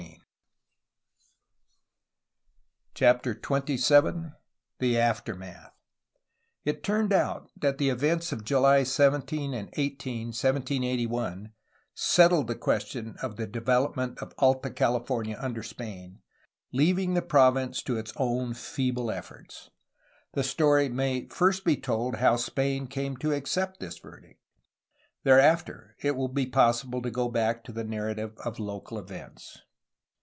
of the first water. CHAPTER XXVII THE AFTERMATH It turned out that the events of July 17 and 18, 1781, settled the question of the development of Alta California under Spain, leaving the province to its own feeble efforts. The story may first be told how Spain came to accept this verdict; thereafter it will be possible to go back to the narra tive of local events.